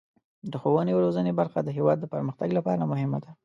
د ښوونې او روزنې برخه د هیواد د پرمختګ لپاره مهمه ده.